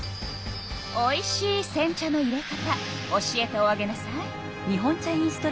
おいしいせん茶のいれ方教えておあげなさい。